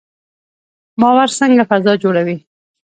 باور څنګه فضا جوړوي؟